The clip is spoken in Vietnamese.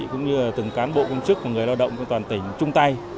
cũng như là từng cán bộ công chức và người lao động của toàn tỉnh chung tay